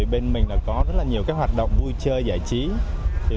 bên mình có rất nhiều hoạt động vui chơi giải trí